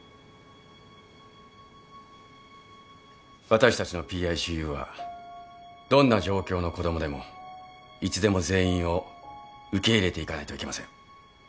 私たちのＰＩＣＵはどんな状況の子供でもいつでも全員を受け入れていかないといけません。